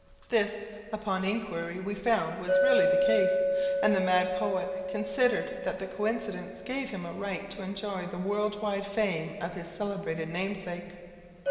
This, upon inquiry, we found was really the case, and the mad poet considered that the coincidence gave him a right to enjoy the world wide fame of his celebrated namesake.